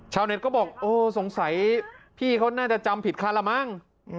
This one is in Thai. เน็ตก็บอกโอ้สงสัยพี่เขาน่าจะจำผิดคันละมั้ง